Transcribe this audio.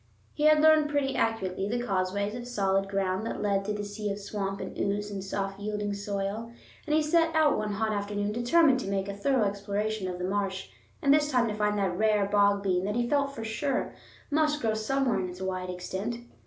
He had learned pretty accurately the causeways of solid ground that lead through the sea of swamp and ooze and soft yielding soil, and he set out one hot afternoon determined to make a thorough exploration of the marsh, and this time to find that rare Bog Bean, that he felt sure, must grow somewhere in its wide extent.